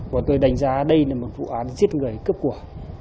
còn tôi đánh giá đây là một vụ án giết người cướp của